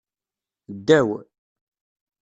Ddaw.